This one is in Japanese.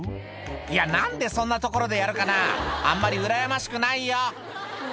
いや何でそんな所でやるかなあんまりうらやましくないよ